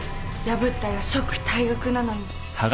破ったら即退学なのに。